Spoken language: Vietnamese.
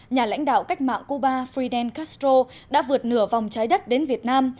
nhà lãnh đạo cách mạng cuba fidel castro đã vượt nửa vòng trái đất đến việt nam